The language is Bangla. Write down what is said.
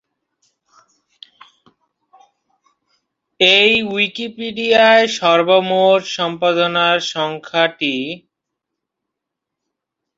এই উইকিপিডিয়ায় সর্বমোট সম্পাদনার সংখ্যা টি।